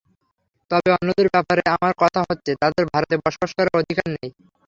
তবে অন্যদের ব্যাপারে আমার কথা হচ্ছে, তাঁদের ভারতে বসবাস করার অধিকার নেই।